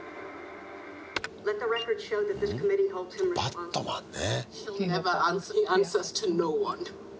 バットマンね。